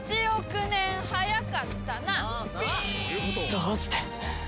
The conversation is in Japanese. どうして。